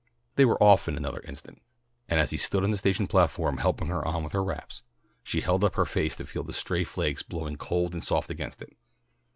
They were off in another instant, and as he stood on the station platform helping her on with her wraps, she held up her face to feel the stray flakes blowing cold and soft against it.